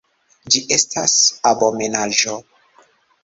Ĝi estas abomenaĵo!